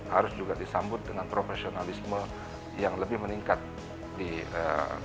harus juga disambut dengan profesionalisme yang lebih meningkat di indonesia